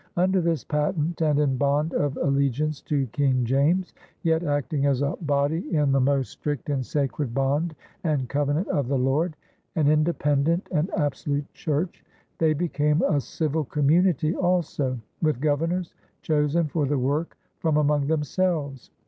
Under this patent and in bond of allegiance to King James, yet acting as a "body in the most strict and sacred bond and covenant of the Lord," an independent and absolute church, they became a civil community also, with governors chosen for the work from among themselves.